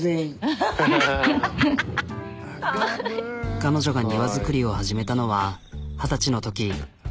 彼女が庭造りを始めたのは二十歳のとき。